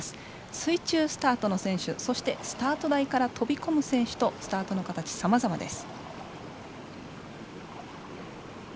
水中スタートの選手そしてスタート台から飛び込む選手とスタートの形はさまざまです。